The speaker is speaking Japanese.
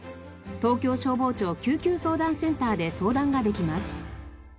東京消防庁救急相談センターで相談ができます。